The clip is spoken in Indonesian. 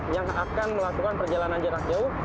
yang akan melakukan perjalanan jarak jauh